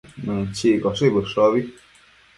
Mënchiccoshi bëshobi